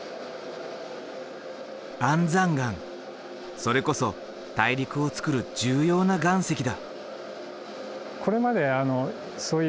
それこそ大陸をつくる重要な岩石だ。